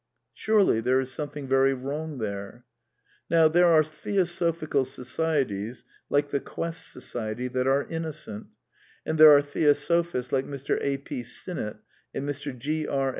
Surely there is something very wrong there ? Now there are theosophical Societies like the Quest So ciety that are innocent, and there are theosophists like Mr. A. P. Sinnett and Mr. G. E.